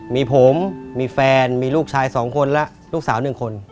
มีผมมีแฟนมีลูกชาย๒คนและลูกสาว๑คน